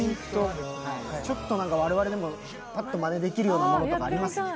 ちょっと我々でも、まねできるものとかありますか？